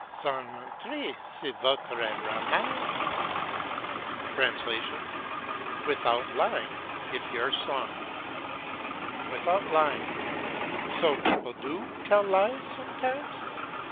"Sans mentir, si votre ramage" ("Without lying, if your song"). "Without lying." So people do tell lies sometimes.